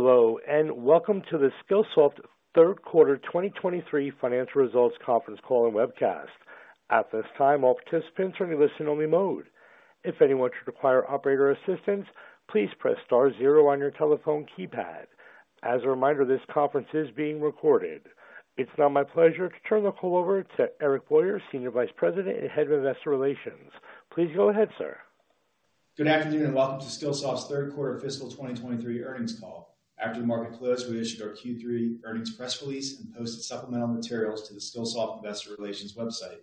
Hello, welcome to the Skillsoft Q3 2023 financial results conference call and webcast. At this time, all participants are in listen-only mode. If anyone should require operator assistance, please press star zero on your telephone keypad. As a reminder, this conference is being recorded. It's now my pleasure to turn the call over to Eric Boyer, Senior Vice President and Head of Investor Relations. Please go ahead, sir. Good afternoon. Welcome to Skillsoft's Q3 fiscal 2023 earnings call. After the market closed, we issued our Q3 earnings press release and posted supplemental materials to the Skillsoft Investor Relations website.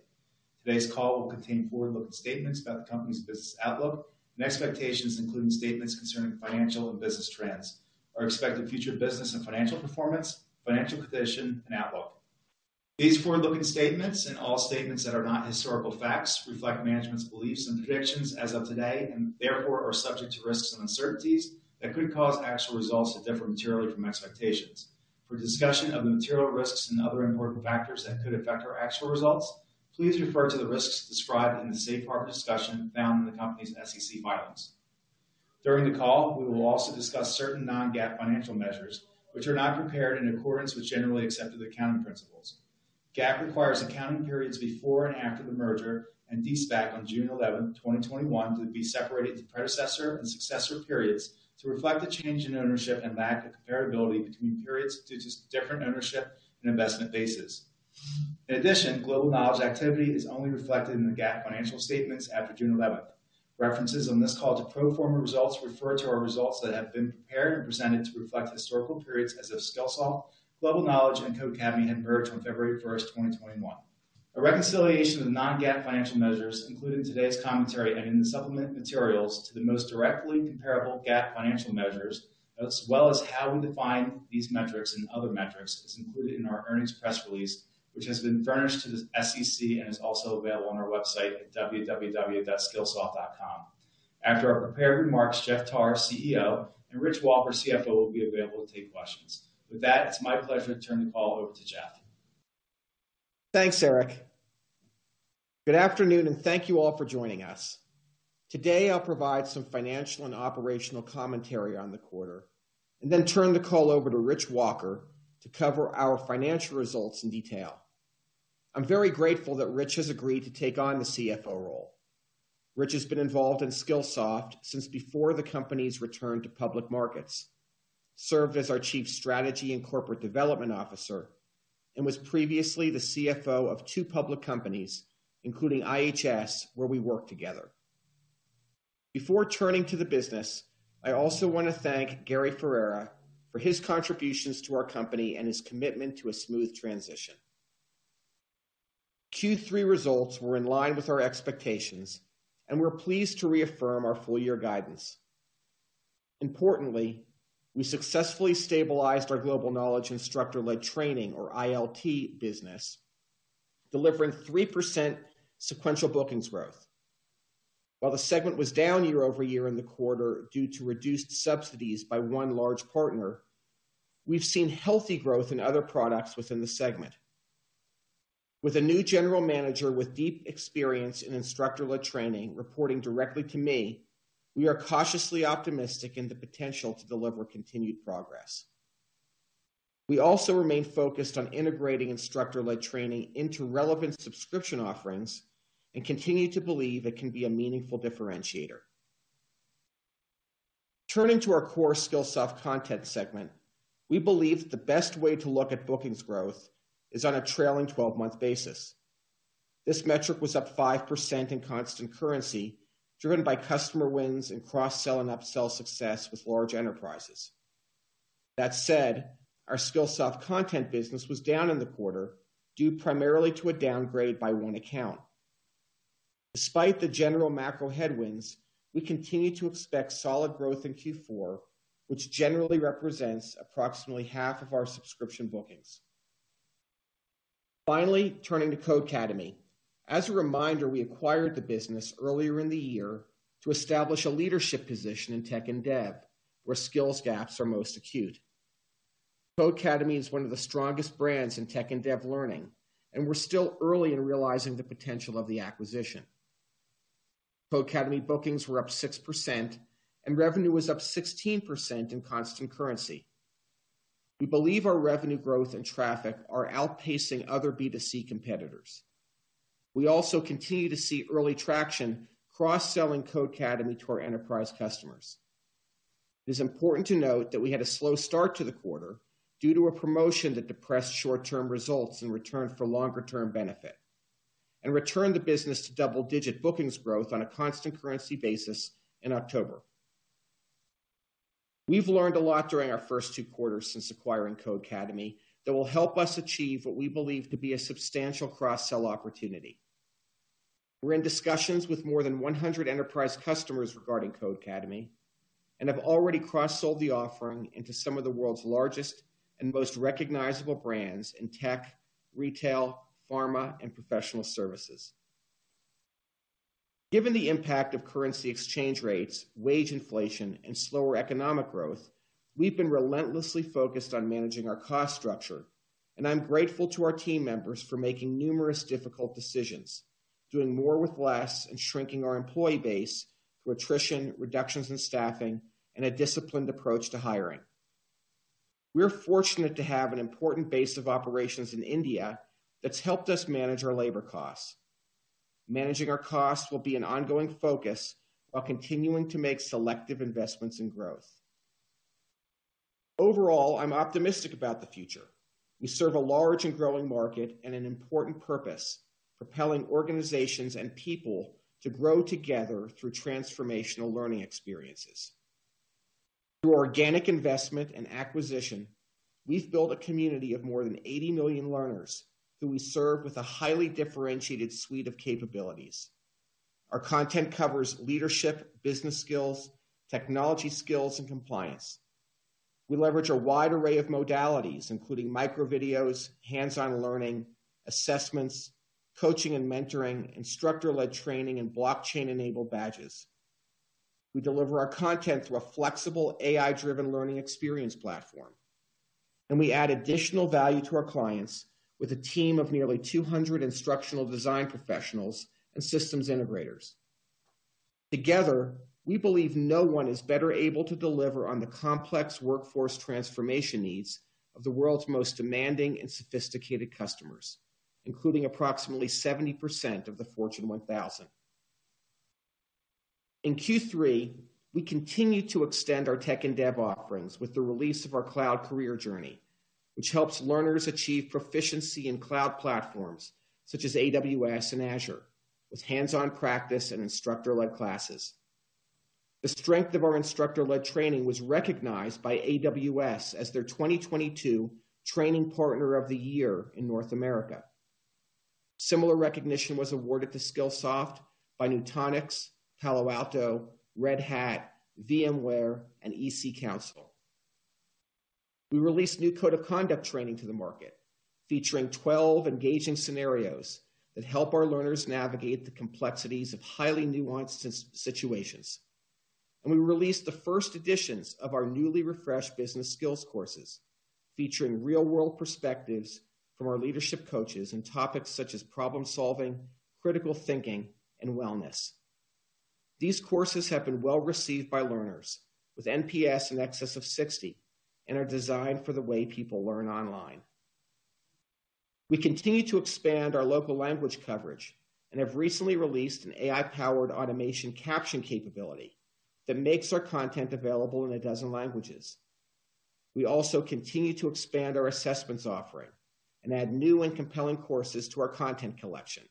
Today's call will contain forward-looking statements about the company's business outlook and expectations, including statements concerning financial and business trends, our expected future business and financial performance, financial condition, and outlook. These forward-looking statements, and all statements that are not historical facts, reflect management's beliefs and predictions as of today and therefore are subject to risks and uncertainties that could cause actual results to differ materially from expectations. For a discussion of the material risks and other important factors that could affect our actual results, please refer to the risks described in the safe harbor discussion found in the company's SEC filings. During the call, we will also discuss certain non-GAAP financial measures which are not prepared in accordance with generally accepted accounting principles. GAAP requires accounting periods before and after the merger and de-SPAC on June 11, 2021, to be separated into predecessor and successor periods to reflect the change in ownership and lack of comparability between periods due to different ownership and investment bases. In addition, Global Knowledge activity is only reflected in the GAAP financial statements after June 11. References on this call to pro forma results refer to our results that have been prepared and presented to reflect historical periods as if Skillsoft, Global Knowledge, and Codecademy had merged on February 1, 2021. A reconciliation of the non-GAAP financial measures included in today's commentary and in the supplement materials to the most directly comparable GAAP financial measures, as well as how we define these metrics and other metrics, is included in our earnings press release, which has been furnished to the SEC and is also available on our website at www.skillsoft.com. After our prepared remarks, Jeffrey Tarr, CEO, and Richard Walker, CFO, will be available to take questions. With that, it's my pleasure to turn the call over to Jeff. Thanks, Eric. Good afternoon, and thank you all for joining us. Today, I'll provide some financial and operational commentary on the quarter and then turn the call over to Rich Walker to cover our financial results in detail. I'm very grateful that Rich has agreed to take on the CFO role. Rich has been involved in Skillsoft since before the company's return to public markets, served as our Chief Strategy and Corporate Development Officer, and was previously the CFO of 2 public companies, including IHS, where we worked together. Before turning to the business, I also want to thank Gary Ferrera for his contributions to our company and his commitment to a smooth transition. Q3 results were in line with our expectations, and we're pleased to reaffirm our full year guidance. Importantly, we successfully stabilized our Global Knowledge instructor-led training or ILT business, delivering 3% sequential bookings growth. While the segment was down year-over-year in the quarter due to reduced subsidies by one large partner, we've seen healthy growth in other products within the segment. With a new general manager with deep experience in instructor-led training reporting directly to me, we are cautiously optimistic in the potential to deliver continued progress. We also remain focused on integrating instructor-led training into relevant subscription offerings and continue to believe it can be a meaningful differentiator. Turning to our core Skillsoft Content segment, we believe the best way to look at bookings growth is on a trailing twelve-month basis. This metric was up 5% in constant currency, driven by customer wins and cross-sell and upsell success with large enterprises. That said, our Skillsoft Content business was down in the quarter due primarily to a downgrade by one account. Despite the general macro headwinds, we continue to expect solid growth in Q4, which generally represents approximately half of our subscription bookings. Turning to Codecademy. As a reminder, we acquired the business earlier in the year to establish a leadership position in tech and dev, where skills gaps are most acute. Codecademy is one of the strongest brands in tech and dev learning, and we're still early in realizing the potential of the acquisition. Codecademy bookings were up 6%, and revenue was up 16% in constant currency. We believe our revenue growth and traffic are outpacing other B2C competitors. We also continue to see early traction cross-selling Codecademy to our enterprise customers. It is important to note that we had a slow start to the quarter due to a promotion that depressed short-term results in return for longer-term benefit and returned the business to double-digit bookings growth on a constant currency basis in October. We've learned a lot during our first two quarters since acquiring Codecademy that will help us achieve what we believe to be a substantial cross-sell opportunity. We're in discussions with more than 100 enterprise customers regarding Codecademy and have already cross-sold the offering into some of the world's largest and most recognizable brands in tech, retail, pharma, and professional services. Given the impact of currency exchange rates, wage inflation, and slower economic growth, we've been relentlessly focused on managing our cost structure, and I'm grateful to our team members for making numerous difficult decisions. Doing more with less and shrinking our employee base through attrition, reductions in staffing, and a disciplined approach to hiring. We're fortunate to have an important base of operations in India that's helped us manage our labor costs. Managing our costs will be an ongoing focus while continuing to make selective investments in growth. Overall, I'm optimistic about the future. We serve a large and growing market and an important purpose, propelling organizations and people to grow together through transformational learning experiences. Through organic investment and acquisition, we've built a community of more than 80 million learners who we serve with a highly differentiated suite of capabilities. Our content covers leadership, business skills, technology skills, and compliance. We leverage a wide array of modalities, including micro videos, hands-on learning, assessments, coaching and mentoring, instructor-led training, and blockchain-enabled badges. We deliver our content through a flexible AI-driven learning experience platform. We add additional value to our clients with a team of nearly 200 instructional design professionals and systems integrators. Together, we believe no one is better able to deliver on the complex workforce transformation needs of the world's most demanding and sophisticated customers, including approximately 70% of the Fortune 1000. In Q3, we continued to extend our tech and dev offerings with the release of our Cloud Career Journey, which helps learners achieve proficiency in cloud platforms such as AWS and Azure with hands-on practice and instructor-led classes. The strength of our instructor-led training was recognized by AWS as their 2022 Training Partner of the Year in North America. Similar recognition was awarded to Skillsoft by Nutanix, Palo Alto, Red Hat, VMware, and EC-Council. We released new code of conduct training to the market, featuring 12 engaging scenarios that help our learners navigate the complexities of highly nuanced situations. We released the first editions of our newly refreshed business skills courses, featuring real-world perspectives from our leadership coaches in topics such as problem-solving, critical thinking, and wellness. These courses have been well-received by learners with NPS in excess of 60 and are designed for the way people learn online. We continue to expand our local language coverage and have recently released an AI-powered automation caption capability that makes our content available in 12 languages. We also continue to expand our assessments offering and add new and compelling courses to our content collection,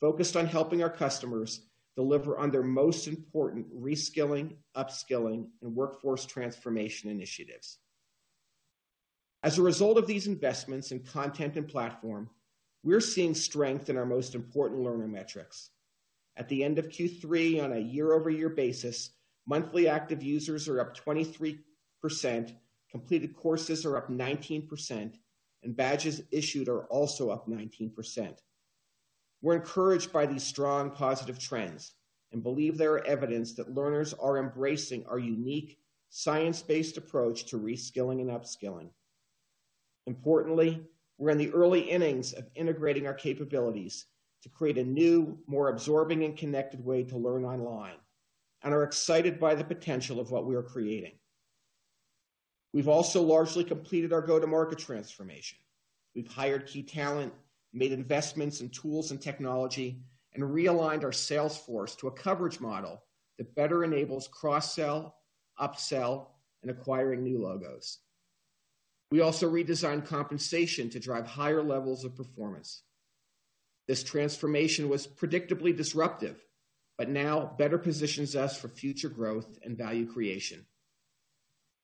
focused on helping our customers deliver on their most important reskilling, upskilling, and workforce transformation initiatives. As a result of these investments in content and platform, we're seeing strength in our most important learning metrics. At the end of Q3 on a year-over-year basis, monthly active users are up 23%, completed courses are up 19%, and badges issued are also up 19%. We're encouraged by these strong positive trends and believe they are evidence that learners are embracing our unique science-based approach to reskilling and upskilling. Importantly, we're in the early innings of integrating our capabilities to create a new, more absorbing and connected way to learn online and are excited by the potential of what we are creating. We've also largely completed our go-to-market transformation. We've hired key talent, made investments in tools and technology, and realigned our sales force to a coverage model that better enables cross-sell, upsell, and acquiring new logos. We also redesigned compensation to drive higher levels of performance. This transformation was predictably disruptive, but now better positions us for future growth and value creation.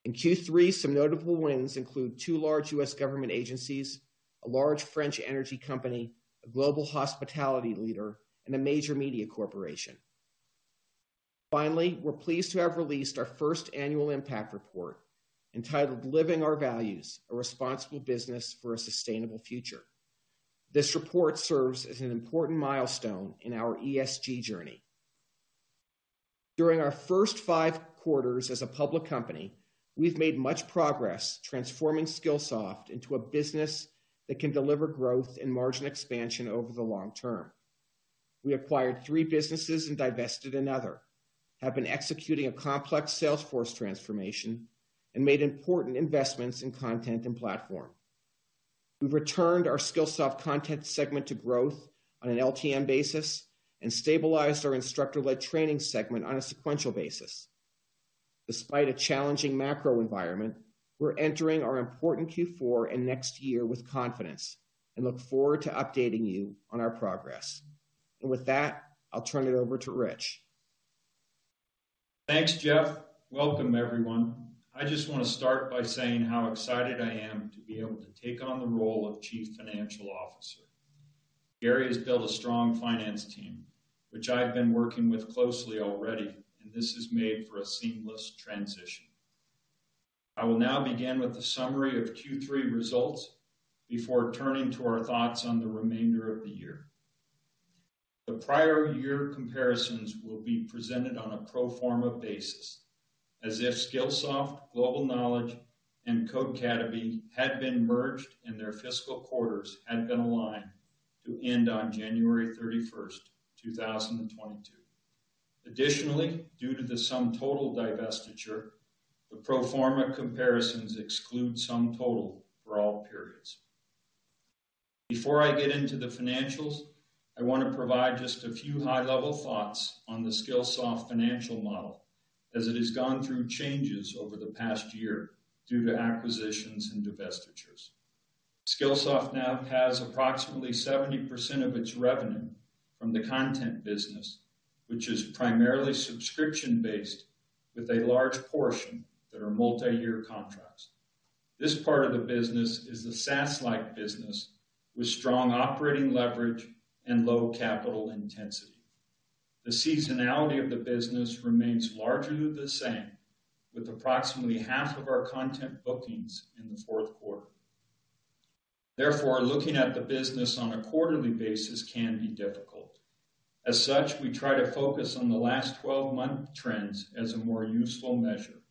In Q3, some notable wins include two large U.S. government agencies, a large French energy company, a global hospitality leader, and a major media corporation. Finally, we're pleased to have released our first annual impact report entitled Living Our Values: A Responsible Business for a Sustainable Future. This report serves as an important milestone in our ESG journey. During our first five quarters as a public company, we've made much progress transforming Skillsoft into a business that can deliver growth and margin expansion over the long term. We acquired three businesses and divested another, have been executing a complex sales force transformation, and made important investments in content and platform. We've returned our Skillsoft content segment to growth on an LTM basis and stabilized our instructor-led training segment on a sequential basis. Despite a challenging macro environment, we're entering our important Q4 and next year with confidence and look forward to updating you on our progress. With that, I'll turn it over to Rich. Thanks, Jeff. Welcome, everyone. I just want to start by saying how excited I am to be able to take on the role of Chief Financial Officer. Gary has built a strong finance team, which I've been working with closely already, and this has made for a seamless transition. I will now begin with a summary of Q3 results before turning to our thoughts on the remainder of the year. The prior year comparisons will be presented on a pro forma basis. As if Skillsoft, Global Knowledge, and Codecademy had been merged and their fiscal quarters had been aligned to end on January 31st, 2022. Additionally, due to the SumTotal divestiture, the pro forma comparisons exclude SumTotal for all periods. Before I get into the financials, I wanna provide just a few high-level thoughts on the Skillsoft financial model as it has gone through changes over the past year due to acquisitions and divestitures. Skillsoft now has approximately 70% of its revenue from the content business, which is primarily subscription-based with a large portion that are multi-year contracts. This part of the business is the SaaS-like business with strong operating leverage and low capital intensity. The seasonality of the business remains largely the same, with approximately half of our content bookings in the Q4. Therefore, looking at the business on a quarterly basis can be difficult. As such, we try to focus on the last 12-month trends as a more useful measure.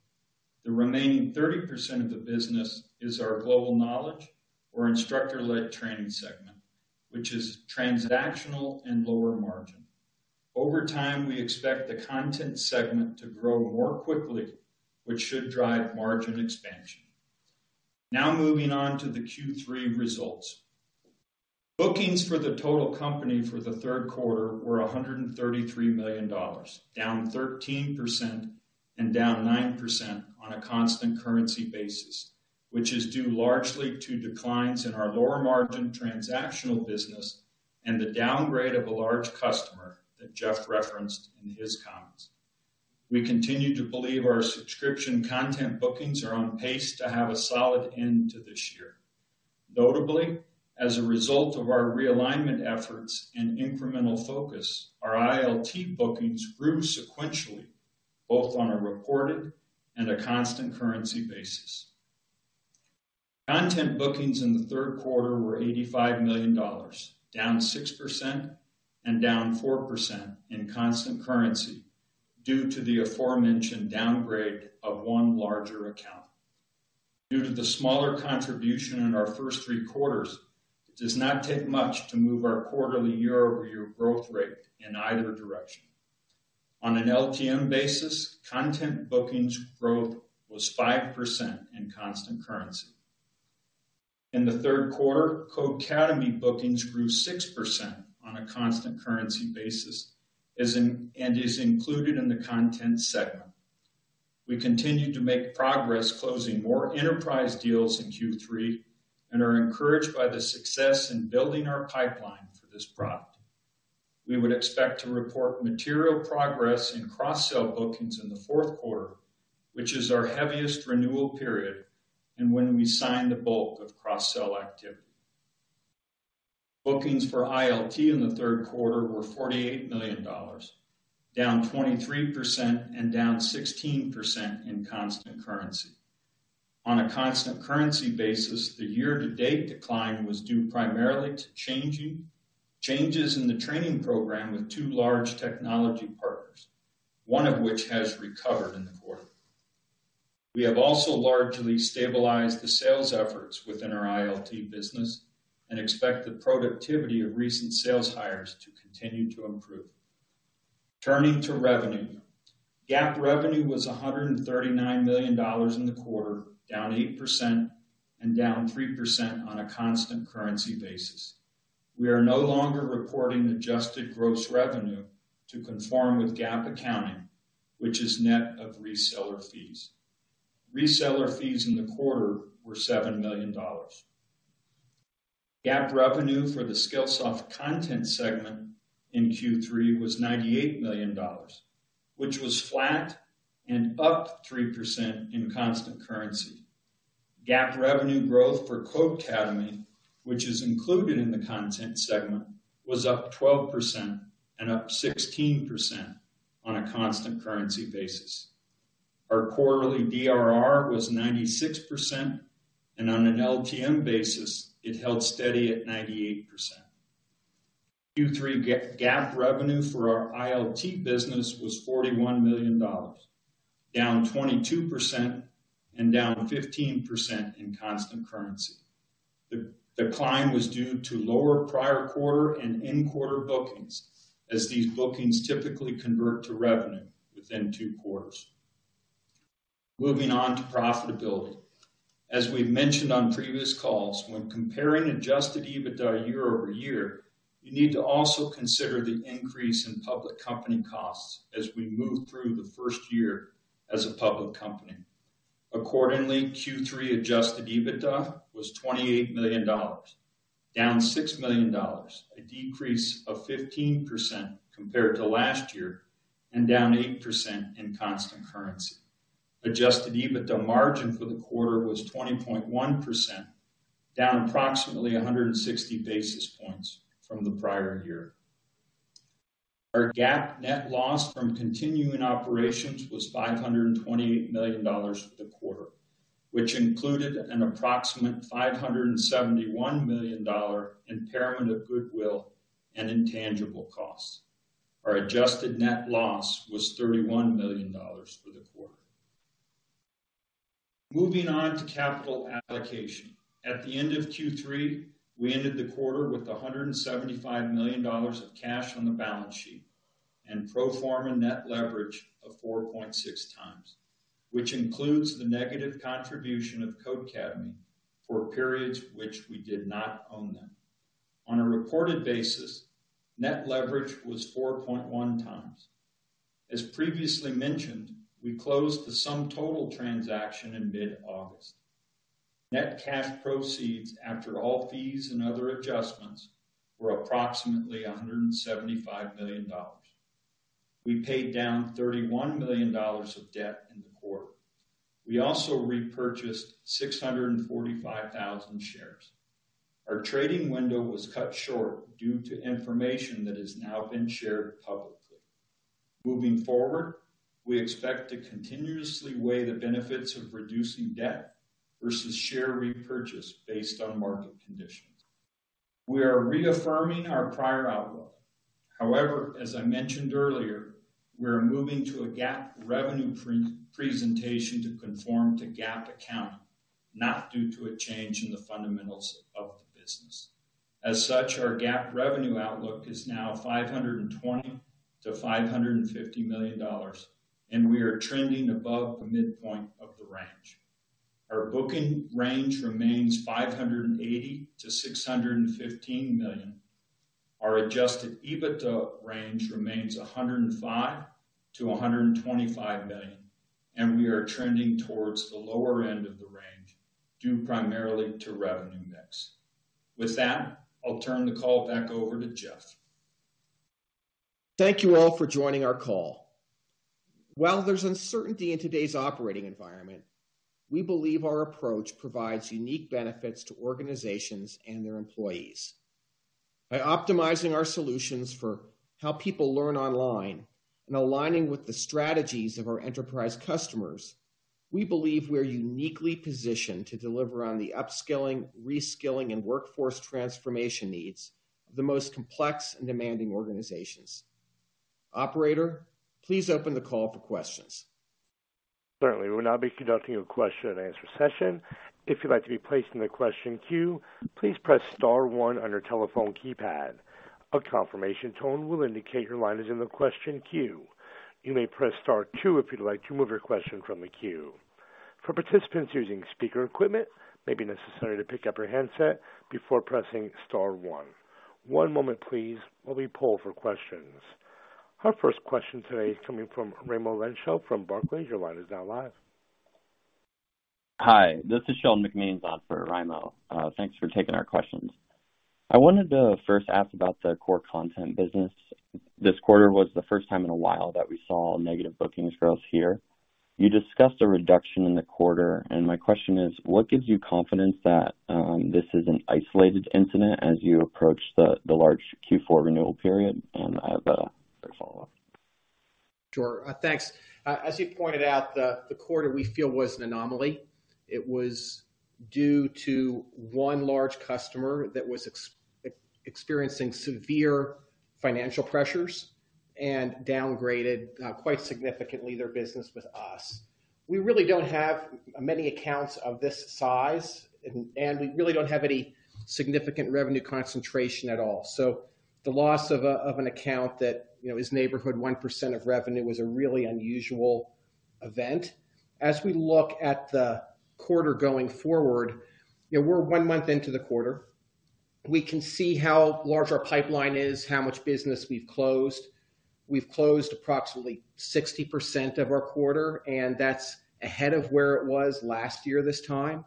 The remaining 30% of the business is our Global Knowledge or instructor-led training segment, which is transactional and lower margin. Over time, we expect the content segment to grow more quickly, which should drive margin expansion. Moving on to the Q3 results. Bookings for the total company for the Q3 were $133 million, down 13% and down 9% on a constant currency basis, which is due largely to declines in our lower margin transactional business and the downgrade of a large customer that Jeff referenced in his comments. We continue to believe our subscription content bookings are on pace to have a solid end to this year. Notably, as a result of our realignment efforts and incremental focus, our ILT bookings grew sequentially, both on a reported and a constant currency basis. Content bookings in the Q3 were $85 million, down 6% and down 4% in constant currency due to the aforementioned downgrade of one larger account. Due to the smaller contribution in our first three quarters, it does not take much to move our quarterly year-over-year growth rate in either direction. On an LTM basis, content bookings growth was 5% in constant currency. In the Q3, Codecademy bookings grew 6% on a constant currency basis and is included in the content segment. We continue to make progress closing more enterprise deals in Q3 and are encouraged by the success in building our pipeline for this product. We would expect to report material progress in cross-sell bookings in the Q4, which is our heaviest renewal period and when we sign the bulk of cross-sell activity. Bookings for ILT in the Q3 were $48 million, down 23% and down 16% in constant currency. On a constant currency basis, the year-to-date decline was due primarily to changes in the training program with two large technology partners, one of which has recovered in the quarter. We have also largely stabilized the sales efforts within our ILT business and expect the productivity of recent sales hires to continue to improve. Turning to revenue. GAAP revenue was $139 million in the quarter, down 8% and down 3% on a constant currency basis. We are no longer reporting adjusted gross revenue to conform with GAAP accounting, which is net of reseller fees. Reseller fees in the quarter were $7 million. GAAP revenue for the Skillsoft content segment in Q3 was $98 million, which was flat and up 3% in constant currency. GAAP revenue growth for Codecademy, which is included in the content segment, was up 12% and up 16% on a constant currency basis. Our quarterly DRR was 96%, and on an LTM basis, it held steady at 98%. Q3 GAAP revenue for our ILT business was $41 million, down 22% and down 15% in constant currency. The decline was due to lower prior quarter and in-quarter bookings, as these bookings typically convert to revenue within two quarters. Moving on to profitability. As we've mentioned on previous calls, when comparing adjusted EBITDA year-over-year, you need to also consider the increase in public company costs as we move through the first year as a public company. Accordingly, Q3 adjusted EBITDA was $28 million, down $6 million, a decrease of 15% compared to last year and down 8% in constant currency. Adjusted EBITDA margin for the quarter was 20.1%, down approximately 160 basis points from the prior year. Our GAAP net loss from continuing operations was $520 million for the quarter, which included an approximate $571 million impairment of goodwill and intangible costs. Our adjusted net loss was $31 million for the quarter. Moving on to capital allocation. At the end of Q3, we ended the quarter with $175 million of cash on the balance sheet and pro forma net leverage of 4.6x, which includes the negative contribution of Codecademy for periods which we did not own them. On a reported basis, net leverage was 4.1x. As previously mentioned, we closed the SumTotal transaction in mid-August. Net cash proceeds after all fees and other adjustments were approximately $175 million. We paid down $31 million of debt in the quarter. We also repurchased 645,000 shares. Our trading window was cut short due to information that has now been shared publicly. Moving forward, we expect to continuously weigh the benefits of reducing debt versus share repurchase based on market conditions. We are reaffirming our prior outlook. As I mentioned earlier, we are moving to a GAAP revenue presentation to conform to GAAP accounting, not due to a change in the fundamentals of the business. As such, our GAAP revenue outlook is now $520 million-$550 million, and we are trending above the midpoint of the range. Our booking range remains $580 million-$615 million. Our Adjusted EBITDA range remains $105 million-$125 million, and we are trending towards the lower end of the range, due primarily to revenue mix. With that, I'll turn the call back over to Jeff. Thank you all for joining our call. While there's uncertainty in today's operating environment, we believe our approach provides unique benefits to organizations and their employees. By optimizing our solutions for how people learn online and aligning with the strategies of our enterprise customers, we believe we are uniquely positioned to deliver on the upskilling, reskilling, and workforce transformation needs of the most complex and demanding organizations. Operator, please open the call for questions. Certainly. We will now be conducting a question and answer session. If you'd like to be placed in the question queue, please press star one on your telephone keypad. A confirmation tone will indicate your line is in the question queue. You may press star two if you'd like to move your question from the queue. For participants using speaker equipment, it may be necessary to pick up your handset before pressing star one. One moment please while we poll for questions. Our first question today is coming from Raimo Lenschow from Barclays. Your line is now live. Hi, this is Shel McMeans, on for Raimo. Thanks for taking our questions. I wanted to first ask about the core content business. This quarter was the first time in a while that we saw negative bookings growth here. You discussed a reduction in the quarter, and my question is, what gives you confidence that this is an isolated incident as you approach the large Q4 renewal period? I have a follow-up. Sure. Thanks. As you pointed out, the quarter we feel was an anomaly. It was due to one large customer that was experiencing severe financial pressures and downgraded quite significantly their business with us. We really don't have many accounts of this size and we really don't have any significant revenue concentration at all. The loss of an account that, you know, is neighborhood 1% of revenue was a really unusual event. As we look at the quarter going forward, you know, we're one month into the quarter. We can see how large our pipeline is, how much business we've closed. We've closed approximately 60% of our quarter, and that's ahead of where it was last year, this time.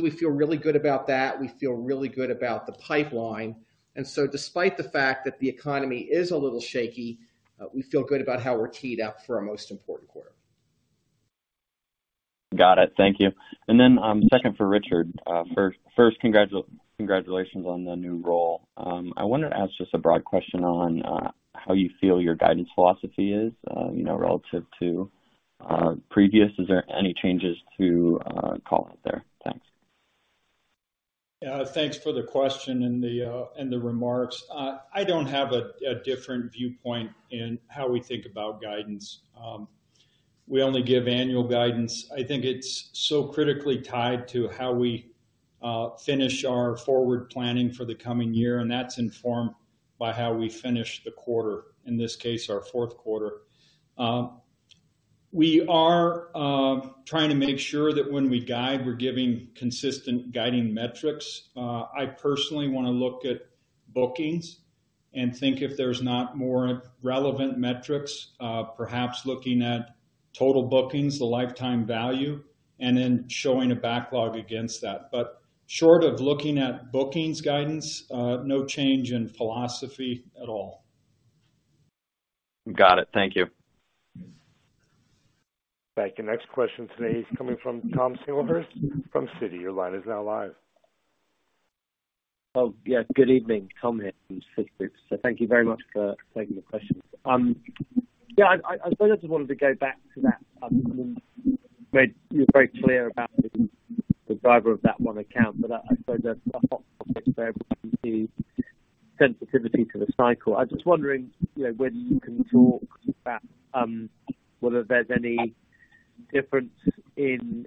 We feel really good about that. We feel really good about the pipeline. Despite the fact that the economy is a little shaky, we feel good about how we're teed up for our most important quarter. Got it. Thank you. Then, second for Richard. First congratulations on the new role. I wanted to ask just a broad question on how you feel your guidance philosophy is, you know, relative to previous. Is there any changes to call out there? Thanks. Thanks for the question and the and the remarks. I don't have a different viewpoint in how we think about guidance. We only give annual guidance. I think it's so critically tied to how we finish our forward planning for the coming year, and that's informed by how we finish the quarter, in this case, our Q4. We are trying to make sure that when we guide, we're giving consistent guiding metrics. I personally wanna look at bookings and think if there's not more relevant metrics, perhaps looking at total bookings, the lifetime value, and then showing a backlog against that. Short of looking at bookings guidance, no change in philosophy at all. Got it. Thank you. Thank you. Next question today is coming from Thomas Singlehurst from Citi. Your line is now live. Yeah. Good evening. Tom here from Citigroup. Thank you very much for taking the questions. Yeah. I supposed I just wanted to go back to that, when you were very clear about the driver of that one account, but I suppose the hot topic for everybody is sensitivity to the cycle. I was just wondering, you know, whether you can talk about whether there's any difference in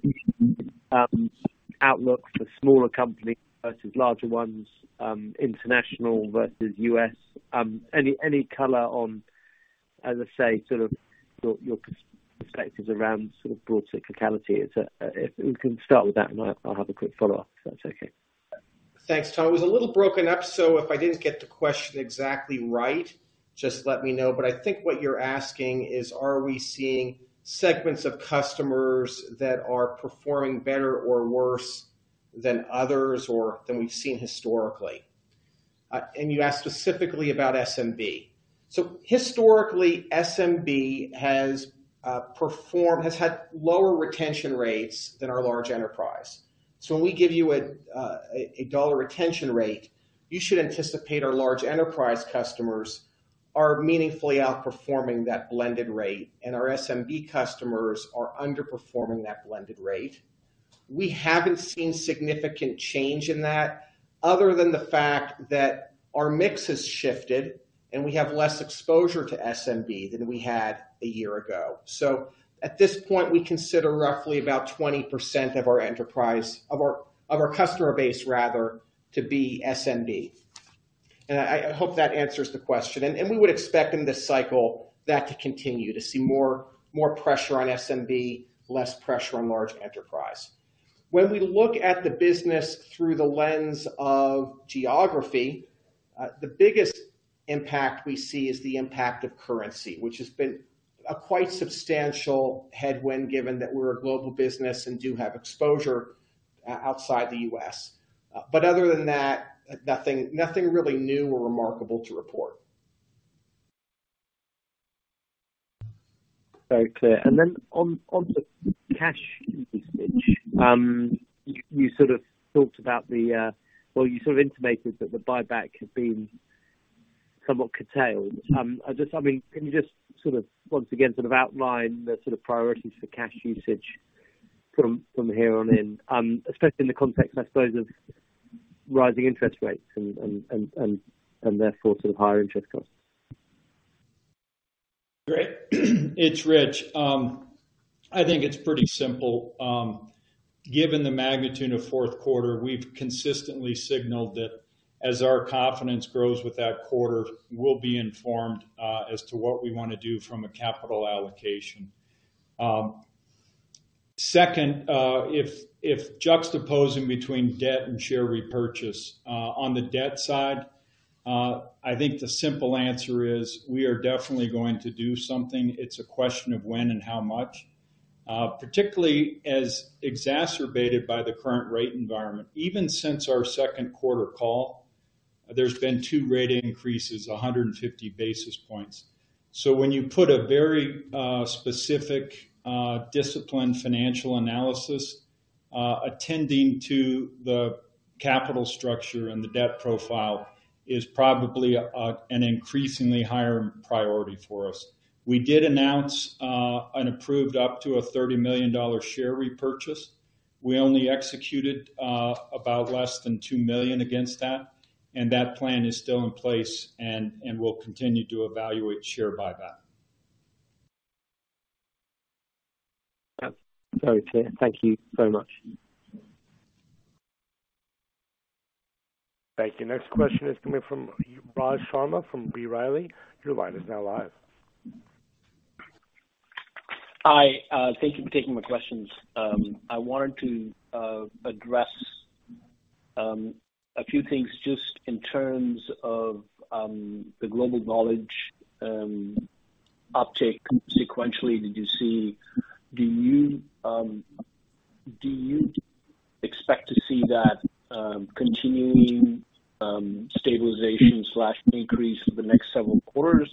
outlook for smaller companies versus larger ones, international versus US. Any color on, as I say, sort of your perspectives around sort of broad cyclicality. It's, if we can start with that, and I'll have a quick follow-up, if that's okay. Thanks, Tom. It was a little broken up, so if I didn't get the question exactly right, just let me know. I think what you're asking is, are we seeing segments of customers that are performing better or worse than others or than we've seen historically? You asked specifically about SMB. Historically, SMB has had lower retention rates than our large enterprise. When we give you a dollar retention rate, you should anticipate our large enterprise customers are meaningfully outperforming that blended rate, and our SMB customers are underperforming that blended rate. We haven't seen significant change in that other than the fact that our mix has shifted, and we have less exposure to SMB than we had a year ago. At this point, we consider roughly about 20% of our enterprise, of our customer base, rather, to be SMB. I hope that answers the question. We would expect in this cycle that to continue to see more pressure on SMB, less pressure on large enterprise. When we look at the business through the lens of geography, the biggest impact we see is the impact of currency, which has been a quite substantial headwind, given that we're a global business and do have exposure outside the US. Other than that, nothing really new or remarkable to report. Very clear. Then on the cash usage, you sort of talked about the... Well, you sort of intimated that the buyback had been somewhat curtailed. I mean, can you just sort of once again sort of outline the sort of priorities for cash usage from here on in, especially in the context, I suppose, of rising interest rates and therefore sort of higher interest costs? Great. It's Rich. I think it's pretty simple. Given the magnitude of Q4, we've consistently signaled that as our confidence grows with that quarter, we'll be informed as to what we wanna do from a capital allocation. Second, if juxtaposing between debt and share repurchase, on the debt side, I think the simple answer is we are definitely going to do something. It's a question of when and how much, particularly as exacerbated by the current rate environment. Even since our Q2 call, there's been 2 rate increases, 150 basis points. When you put a very specific disciplined financial analysis, attending to the capital structure and the debt profile is probably an increasingly higher priority for us. We did announce an approved up to a $30 million share repurchase. We only executed, about less than $2 million against that, and that plan is still in place, and we'll continue to evaluate share buyback. Yeah. Very clear. Thank you so much. Thank you. Next question is coming from [Rajiv] Sharma from B. Riley. Your line is now live. Hi. Thank you for taking my questions. I wanted to address a few things just in terms of the Global Knowledge uptake sequentially. Do you expect to see that continuing stabilization/increase for the next several quarters?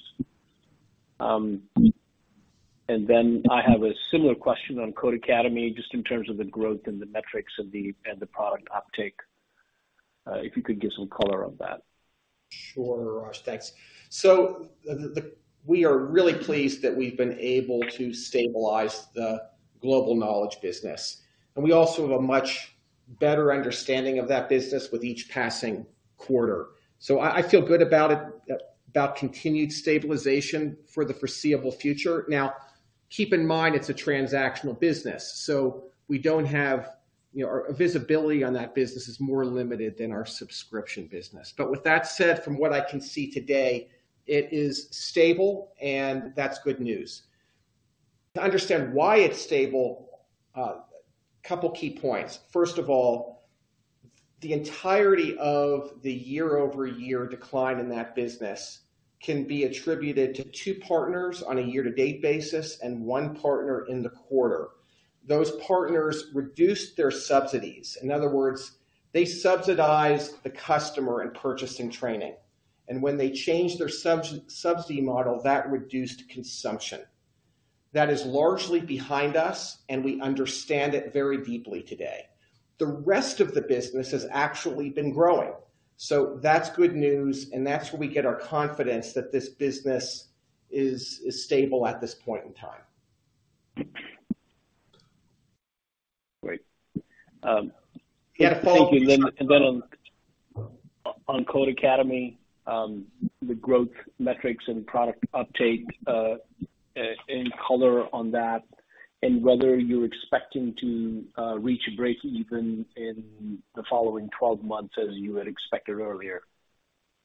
Then I have a similar question on Codecademy, just in terms of the growth and the metrics of the product uptake, if you could give some color on that. Sure, Raj. Thanks. We are really pleased that we've been able to stabilize the Global Knowledge business, and we also have a much better understanding of that business with each passing quarter. I feel good about it, about continued stabilization for the foreseeable future. Now, keep in mind it's a transactional business, so we don't have, you know. Our visibility on that business is more limited than our subscription business. With that said, from what I can see today, it is stable, and that's good news. To understand why it's stable, couple key points. First of all, the entirety of the year-over-year decline in that business can be attributed to two partners on a year-to-date basis and one partner in the quarter. Those partners reduced their subsidies. In other words, they subsidized the customer in purchasing training. when they changed their subsidy model, that reduced consumption. That is largely behind us. We understand it very deeply today. The rest of the business has actually been growing. That's good news. That's where we get our confidence that this business is stable at this point in time. Great. Yeah. Thank you. Then on Codecademy, the growth metrics and product uptake, any color on that and whether you're expecting to reach breakeven in the following 12 months as you had expected earlier?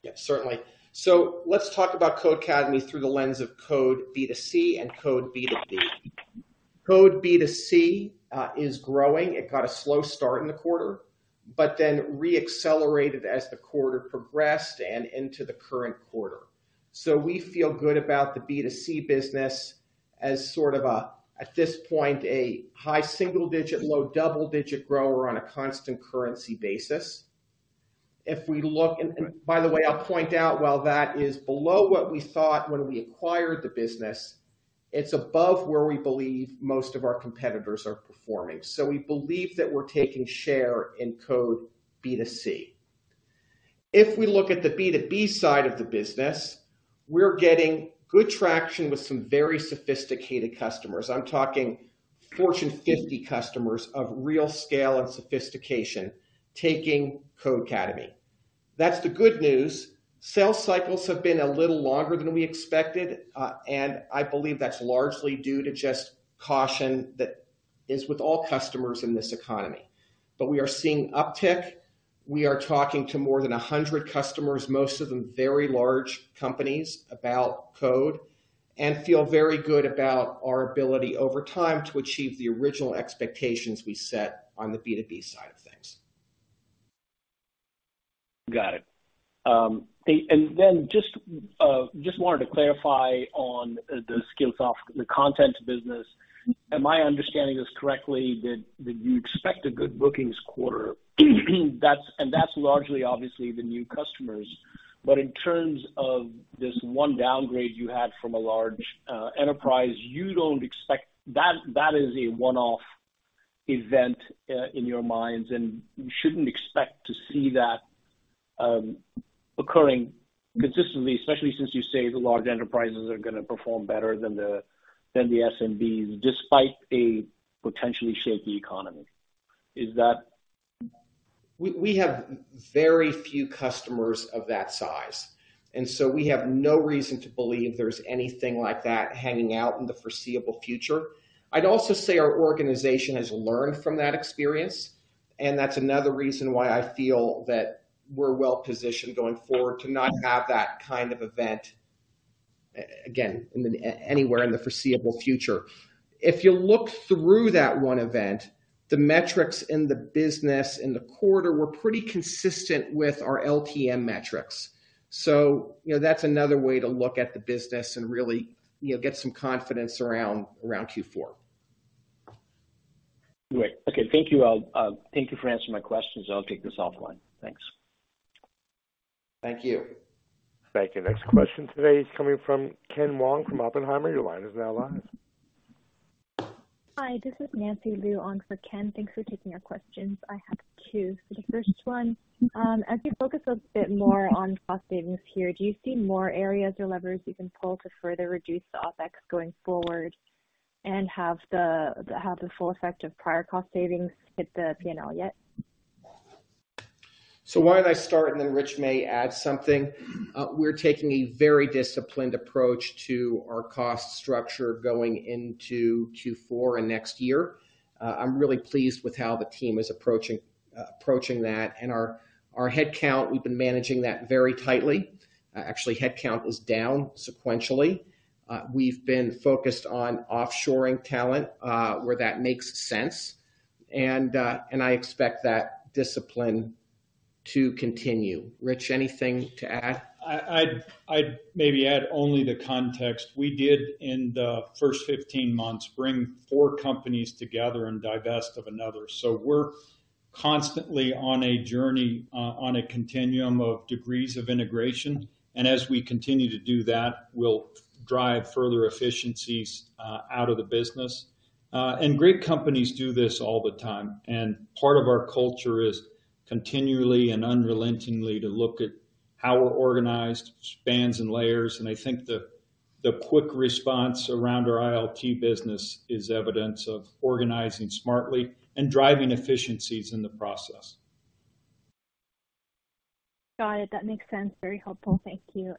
Yeah, certainly. Let's talk about Codecademy through the lens of Code B2C and Code B2B. Code B2C is growing. It got a slow start in the quarter, re-accelerated as the quarter progressed and into the current quarter. We feel good about the B2C business as sort of at this point, a high single-digit, low double-digit grower on a constant currency basis. By the way, I'll point out while that is below what we thought when we acquired the business, it's above where we believe most of our competitors are performing. We believe that we're taking share in Code B2C. If we look at the B2B side of the business, we're getting good traction with some very sophisticated customers. I'm talking Fortune 50 customers of real scale and sophistication taking Codecademy. That's the good news. Sales cycles have been a little longer than we expected, and I believe that's largely due to just caution that is with all customers in this economy. We are seeing uptick. We are talking to more than 100 customers, most of them very large companies, about Code, and feel very good about our ability over time to achieve the original expectations we set on the B2B side of things. Got it. Just wanted to clarify on the Skillsoft content business. Am my understanding this correctly that you expect a good bookings quarter? That's largely obviously the new customers. In terms of this one downgrade you had from a large enterprise, you don't expect that is a one-off event in your minds, and you shouldn't expect to see that occurring consistently, especially since you say the large enterprises are gonna perform better than the SMBs, despite a potentially shaky economy. Is that? We have very few customers of that size. We have no reason to believe there's anything like that hanging out in the foreseeable future. I'd also say our organization has learned from that experience. That's another reason why I feel that we're well positioned going forward to not have that kind of event again anywhere in the foreseeable future. If you look through that one event, the metrics in the business in the quarter were pretty consistent with our LTM metrics. You know, that's another way to look at the business and really, you know, get some confidence around Q4. Great. Okay, thank you. Thank you for answering my questions. I'll take this offline. Thanks. Thank you. Thank you. Next question today is coming from Ken Wong from Oppenheimer. Your line is now live. Hi, this is Nancy Liu on for Ken. Thanks for taking our questions. I have two. The first one, as you focus a bit more on cost savings here, do you see more areas or levers you can pull to further reduce the OPEX going forward and have the full effect of prior cost savings hit the P&L yet? Why don't I start and then Rich may add something. We're taking a very disciplined approach to our cost structure going into Q4 and next year. I'm really pleased with how the team is approaching that. Our headcount, we've been managing that very tightly. Actually, headcount was down sequentially. We've been focused on offshoring talent, where that makes sense. I expect that discipline to continue. Rich, anything to add? I'd maybe add only the context. We did, in the first 15 months, bring four companies together and divest of another. We're constantly on a journey, on a continuum of degrees of integration. As we continue to do that, we'll drive further efficiencies out of the business. Great companies do this all the time, and part of our culture is continually and unrelentingly to look at how we're organized, spans and layers. I think the quick response around our ILT business is evidence of organizing smartly and driving efficiencies in the process. Got it. That makes sense. Very helpful. Thank you.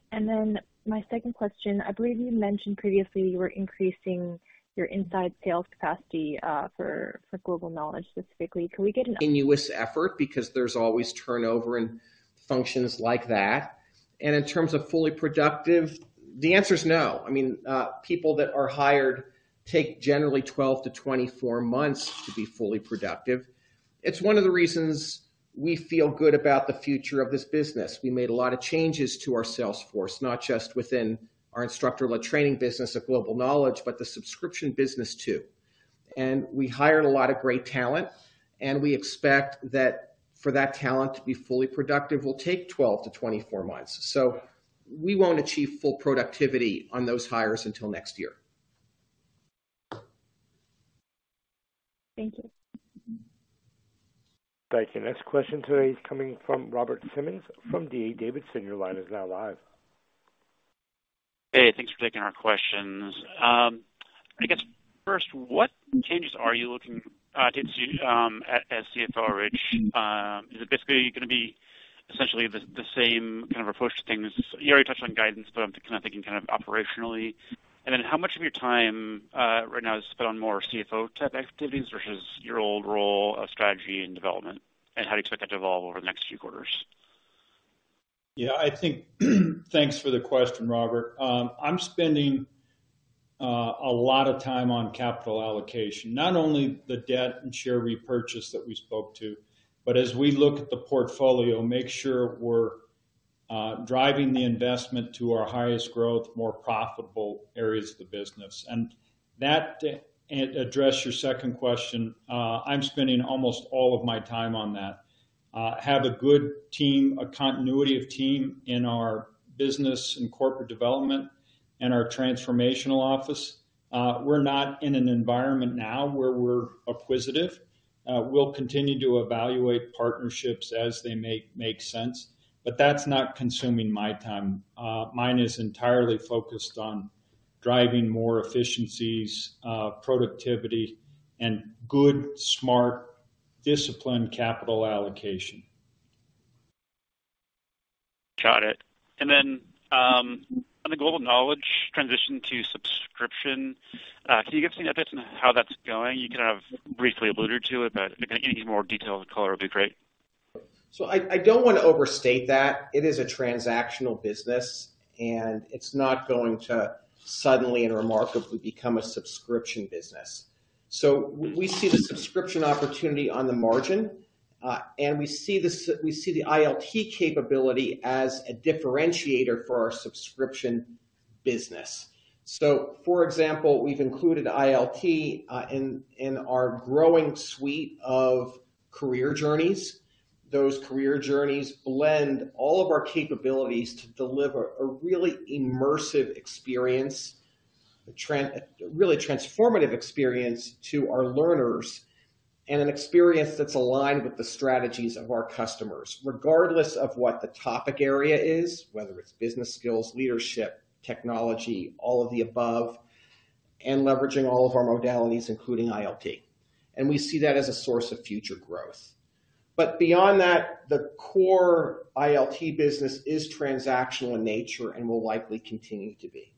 My second question, I believe you mentioned previously you were increasing your inside sales capacity, for Global Knowledge specifically. -uous effort because there's always turnover in functions like that. In terms of fully productive, the answer is no. I mean, people that are hired take generally 12-24 months to be fully productive. It's one of the reasons we feel good about the future of this business. We made a lot of changes to our sales force, not just within our instructor-led training business of Global Knowledge, but the subscription business too. We hired a lot of great talent, and we expect that for that talent to be fully productive will take 12-24 months. We won't achieve full productivity on those hires until next year. Thank you. Thank you. Next question today is coming from Robert Simmons from D.A. Davidson. Your line is now live. Hey, thanks for taking our questions. I guess first, what changes are you looking to see, at, as CFO, Rich? Is it basically gonna be essentially the same kind of approach to things? You already touched on guidance, but I'm thinking, kinda thinking kind of operationally. How much of your time right now is spent on more CFO type activities versus your old role of strategy and development, and how do you expect that to evolve over the next few quarters? Yeah, I think thanks for the question, Robert. I'm spending a lot of time on capital allocation. Not only the debt and share repurchase that we spoke to, but as we look at the portfolio, make sure we're driving the investment to our highest growth, more profitable areas of the business. That address your second question, I'm spending almost all of my time on that. Have a good team, a continuity of team in our business and corporate development and our transformational office. We're not in an environment now where we're acquisitive. We'll continue to evaluate partnerships as they make sense, but that's not consuming my time. Mine is entirely focused on driving more efficiencies, productivity and good, smart, disciplined capital allocation. Got it. On the Global Knowledge transition to subscription, can you give us an update on how that's going? You kind of briefly alluded to it, but any more detail or color would be great. I don't wanna overstate that. It is a transactional business, and it's not going to suddenly and remarkably become a subscription business. We see the subscription opportunity on the margin, and we see the ILT capability as a differentiator for our subscription business. For example, we've included ILT in our growing suite of career journeys. Those career journeys blend all of our capabilities to deliver a really immersive experience, a really transformative experience to our learners and an experience that's aligned with the strategies of our customers, regardless of what the topic area is, whether it's business skills, leadership, technology, all of the above, and leveraging all of our modalities, including ILT. We see that as a source of future growth. Beyond that, the core ILT business is transactional in nature and will likely continue to be.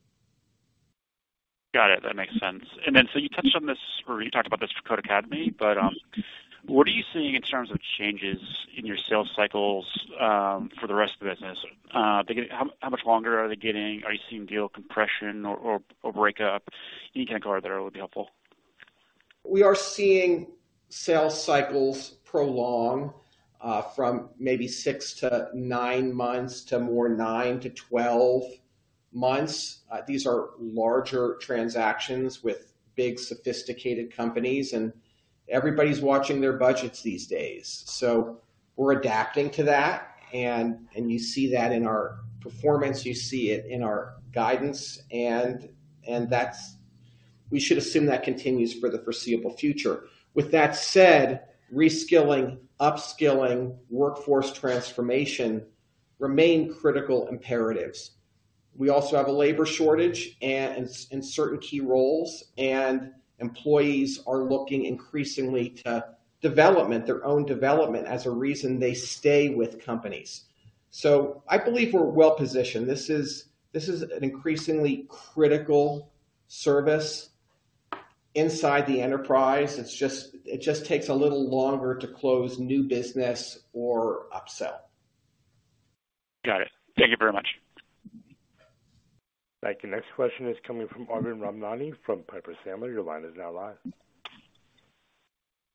Got it. That makes sense. You touched on this, or you talked about this for Codecademy, but, what are you seeing in terms of changes in your sales cycles for the rest of the business? How much longer are they getting? Are you seeing deal compression or breakup? Any kind of color there would be helpful. We are seeing sales cycles prolong, from maybe 6 to 9 months to more 9 to 12 months. These are larger transactions with big sophisticated companies, and everybody's watching their budgets these days. We're adapting to that and you see that in our performance, you see it in our guidance. We should assume that continues for the foreseeable future. With that said, reskilling, upskilling, workforce transformation remain critical imperatives. We also have a labor shortage and in certain key roles, and employees are looking increasingly to development, their own development as a reason they stay with companies. I believe we're well positioned. This is an increasingly critical service inside the enterprise. It just takes a little longer to close new business or upsell. Got it. Thank you very much. Thank you. Next question is coming from Arvind Ramnani from Piper Sandler. Your line is now live.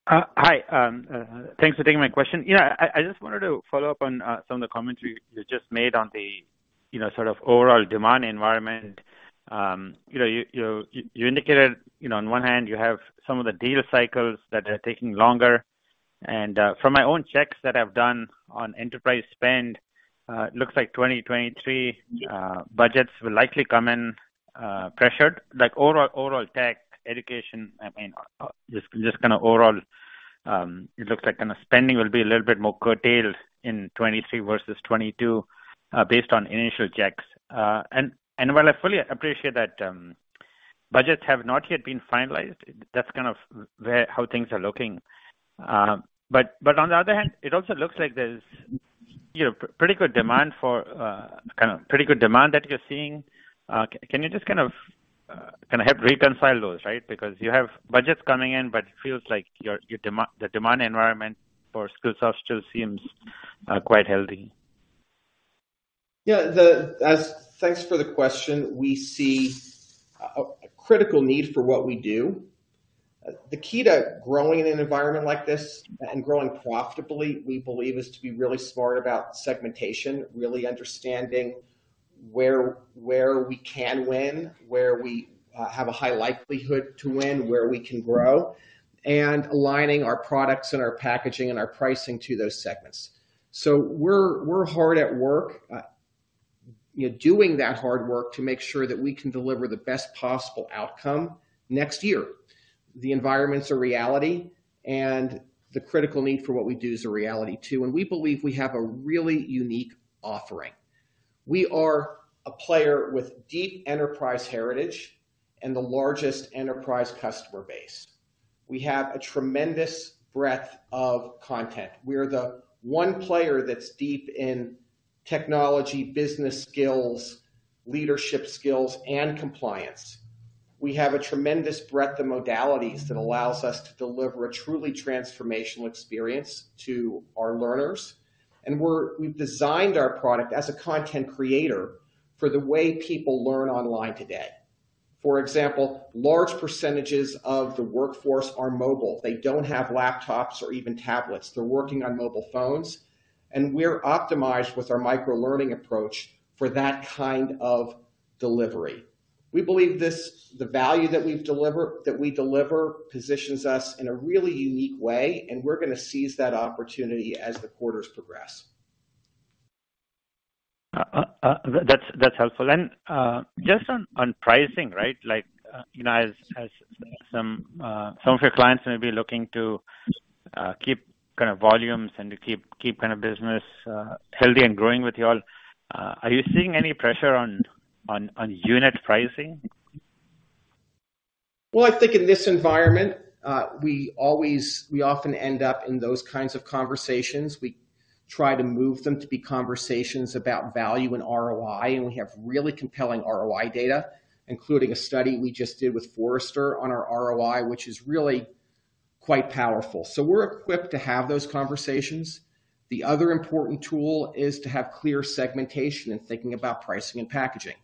Hi. Thanks for taking my question. You know, I just wanted to follow up on some of the comments you just made on the, you know, sort of overall demand environment. You know, you indicated, you know, on one hand you have some of the deal cycles that are taking longer. From my own checks that I've done on enterprise spend, looks like 2023 budgets will likely come in pressured. Like, overall tech education, I mean, just kinda overall, it looks like kinda spending will be a little bit more curtailed in 2023 versus 2022, based on initial checks. While I fully appreciate that, budgets have not yet been finalized, that's kind of where... how things are looking. On the other hand, it also looks like there's, you know, pretty good demand for kinda pretty good demand that you're seeing. Can you just kind of, kinda help reconcile those, right? You have budgets coming in, but it feels like the demand environment for Skillsoft still seems quite healthy. Thanks for the question. We see a critical need for what we do. The key to growing in an environment like this and growing profitably, we believe, is to be really smart about segmentation, really understanding where we can win, where we have a high likelihood to win, where we can grow, and aligning our products and our packaging and our pricing to those segments. We're hard at work, you know, doing that hard work to make sure that we can deliver the best possible outcome next year. The environment's a reality, the critical need for what we do is a reality, too. We believe we have a really unique offering. We are a player with deep enterprise heritage and the largest enterprise customer base. We have a tremendous breadth of content. We're the one player that's deep in technology, business skills, leadership skills, and compliance. We have a tremendous breadth of modalities that allows us to deliver a truly transformational experience to our learners. We've designed our product as a content creator for the way people learn online today. For example, large percentages of the workforce are mobile. They don't have laptops or even tablets. They're working on mobile phones, and we're optimized with our micro-learning approach for that kind of delivery. We believe this, the value that we deliver positions us in a really unique way, and we're gonna seize that opportunity as the quarters progress. That's helpful. Just on pricing, right? Like, you know, as some some of your clients may be looking to keep kind of volumes and to keep kind of business healthy and growing with y'all. Are you seeing any pressure on unit pricing? Well, I think in this environment, we often end up in those kinds of conversations. We try to move them to be conversations about value and ROI, and we have really compelling ROI data, including a study we just did with Forrester on our ROI, which is really quite powerful. We're equipped to have those conversations. The other important tool is to have clear segmentation and thinking about pricing and packaging.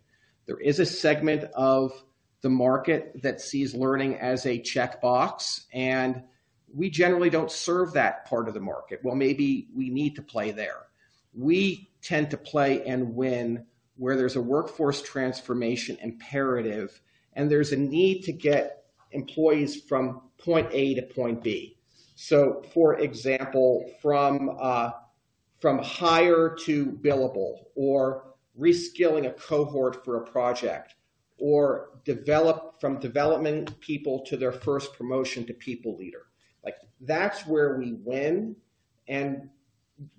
There is a segment of the market that sees learning as a checkbox, and we generally don't serve that part of the market. Well, maybe we need to play there. We tend to play and win where there's a workforce transformation imperative, and there's a need to get employees from point A to point B. For example, from hire to billable or reskilling a cohort for a project or development people to their first promotion to people leader. That's where we win, and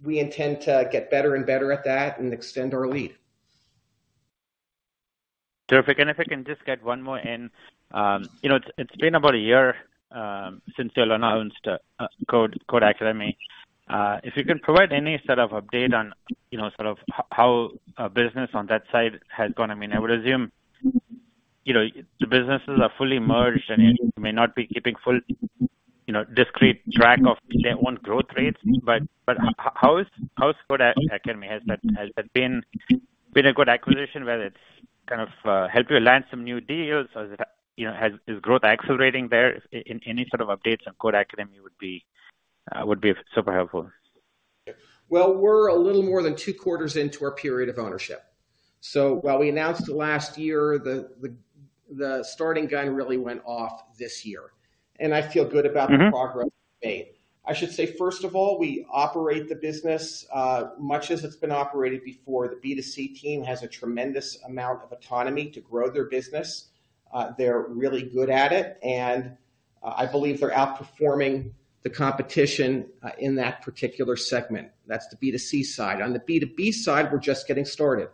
we intend to get better and better at that and extend our lead. Terrific. If I can just get one more in. You know, it's been about a year since y'all announced Codecademy. If you can provide any sort of update on, you know, sort of how business on that side has gone. I mean, I would assume, you know, the businesses are fully merged and you may not be keeping full, you know, discrete track of their own growth rates, but, how is Codecademy, has that been a good acquisition, whether it's kind of, helped you land some new deals or has it, you know, Is growth accelerating there? Any sort of updates on Codecademy would be super helpful. Well, we're a little more than two quarters into our period of ownership. While we announced it last year, the starting gun really went off this year, and I feel good about- Mm-hmm. The progress we've made. I should say, first of all, we operate the business, much as it's been operated before. The B2C team has a tremendous amount of autonomy to grow their business. They're really good at it, and, I believe they're outperforming the competition, in that particular segment. That's the B2C side. On the B2B side, we're just getting started.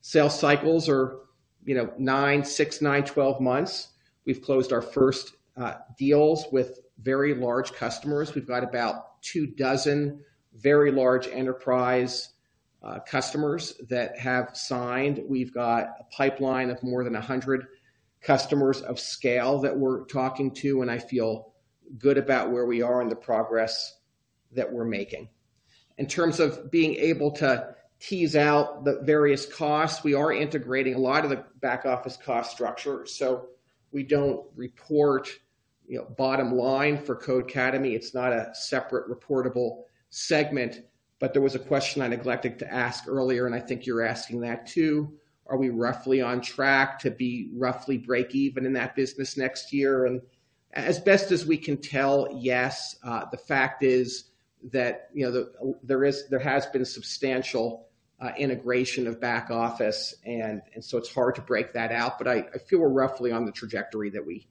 Sales cycles are, you know, 9, 6, 9, 12 months. We've closed our first deals with very large customers. We've got about two dozen very large enterprise customers that have signed. We've got a pipeline of more than 100 customers of scale that we're talking to, and I feel good about where we are and the progress that we're making. In terms of being able to tease out the various costs, we are integrating a lot of the back office cost structure, so we don't report, you know, bottom line for Codecademy. It's not a separate reportable segment. There was a question I neglected to ask earlier, and I think you're asking that too. Are we roughly on track to be roughly break even in that business next year? As best as we can tell, yes. The fact is that, you know, there has been substantial integration of back office and so it's hard to break that out. I feel we're roughly on the trajectory that we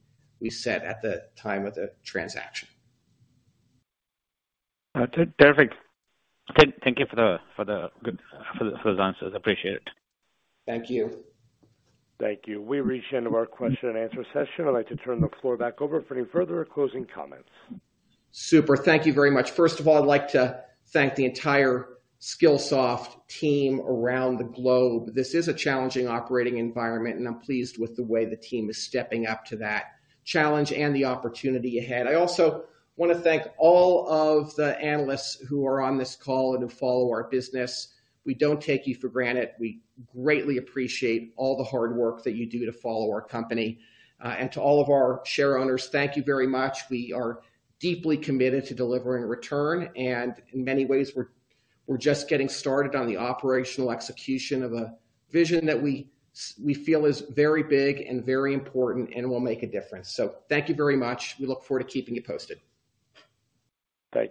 set at the time of the transaction. Terrific. Thank you for those answers. Appreciate it. Thank you. Thank you. We've reached the end of our question and answer session. I'd like to turn the floor back over for any further closing comments. Super. Thank you very much. First of all, I'd like to thank the entire Skillsoft team around the globe. This is a challenging operating environment, and I'm pleased with the way the team is stepping up to that challenge and the opportunity ahead. I also wanna thank all of the analysts who are on this call and who follow our business. We don't take you for granted. We greatly appreciate all the hard work that you do to follow our company. To all of our shareowners, thank you very much. We are deeply committed to delivering return, and in many ways, we're just getting started on the operational execution of a vision that we feel is very big and very important and will make a difference. Thank you very much. We look forward to keeping you posted. Thank you.